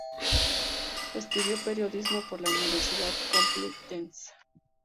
Estudió periodismo por la Universidad Complutense.